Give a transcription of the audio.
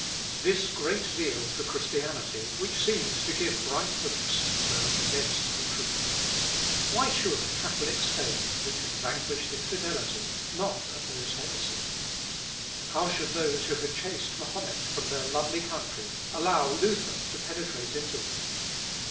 This great zeal for Christianity, which seemed to give bright hopes, turned against the truth. Why should Catholic Spain, which had vanquished infidelity, not oppose heresy? How should those who had chased Mahomet from their lovely country allow Luther to penetrate into it?